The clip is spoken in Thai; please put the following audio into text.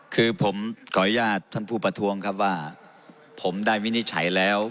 คือผมขออนุญาตท่านผู้ประท้วงครับว่าผมได้วินิจฉัยแล้ว